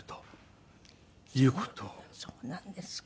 そうなんですか。